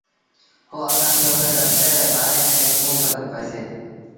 پوء اسآݩٚ کي اُئي رستي ري بآري ميݩ ڪيٚنٚ کبر پئيٚسي؟